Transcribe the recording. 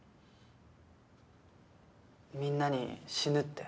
みんなに死ぬって。